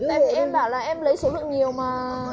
em bảo là em lấy số lượng nhiều mà